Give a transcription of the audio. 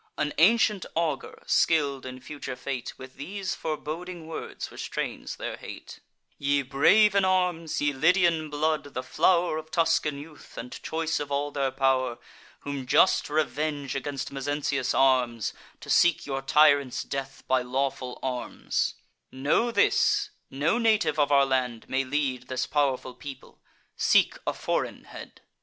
An ancient augur, skill'd in future fate, With these foreboding words restrains their hate: 'Ye brave in arms, ye Lydian blood, the flow'r Of Tuscan youth, and choice of all their pow'r, Whom just revenge against Mezentius arms, To seek your tyrant's death by lawful arms; Know this: no native of our land may lead This pow'rful people; seek a foreign head.